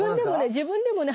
自分でもね